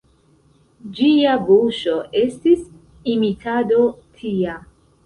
Ĝia buŝo estis imitado tia.